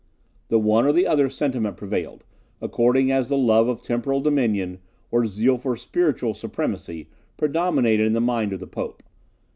The one or the other sentiment prevailed, according as the love of temporal dominion, or zeal for spiritual supremacy, predominated in the mind of the Pope.